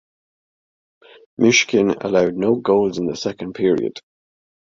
Myshkin allowed no goals in the second period.